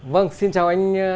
vâng xin chào anh